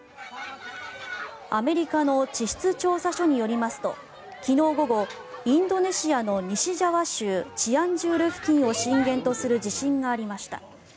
アメリカの地質調査所によりますと、昨日午後インドネシアの西ジャワ州チアンジュール付近を震源とする地震がありました。